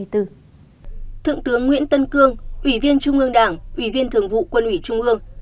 thượng tướng nguyễn tân cương ủy viên trung ương đảng ủy viên thường vụ quân ủy trung ương